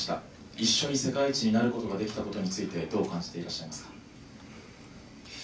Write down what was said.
一緒に世界一になることができたことについて、どう感じていらっしゃいますか。